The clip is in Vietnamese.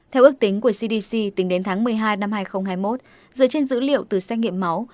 theo ước tính của cdc tính đến tháng một mươi hai năm hai nghìn hai mươi một dựa trên dữ liệu từ xét nghiệm máu